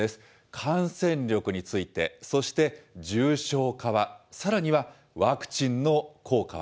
感染力について、そして重症化は、さらにはワクチンの効果は？